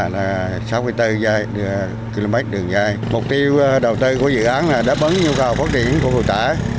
là sáu mươi bốn km đường dây mục tiêu đầu tư của dự án là đáp ứng nhu cầu phát triển của cầu tải